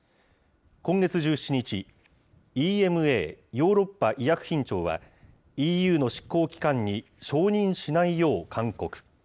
今月１７日、ＥＭＡ・ヨーロッパ医薬品庁は、ＥＵの執行機関に承認しないよう勧告。